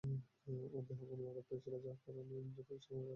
ও দেহে কোনও আঘাত পেয়েছিল যার কারণে ইনফেকশন হওয়ার চান্স আছে?